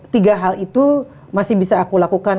tiga hal itu masih bisa aku lakukan